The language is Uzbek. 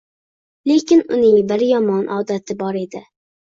Lekin uning bir yomon odati bor edi.